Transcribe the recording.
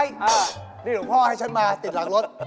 นี่หลวงพ่อให้ฉันมาติดหลังรถ